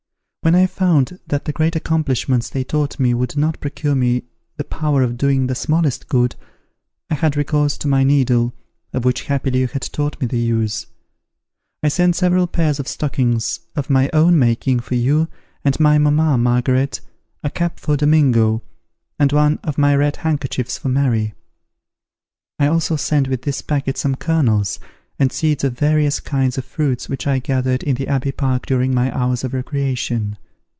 When I found that the great accomplishments they taught me would not procure me the power of doing the smallest good, I had recourse to my needle, of which happily you had taught me the use. I send several pairs of stockings of my own making for you and my mamma Margaret, a cap for Domingo, and one of my red handkerchiefs for Mary. I also send with this packet some kernels, and seeds of various kinds of fruits which I gathered in the abbey park during my hours of recreation.